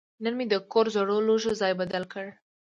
نن مې د کور زړو لوښو ځای بدل کړ.